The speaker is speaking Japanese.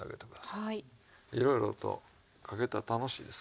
いろいろとかけたら楽しいです。